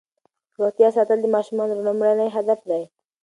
روغتیا ساتل د ماشومانو لومړنی هدف دی.